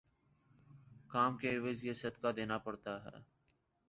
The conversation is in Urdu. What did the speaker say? کام کے عوض یہ صدقہ دینا پڑتا ہے۔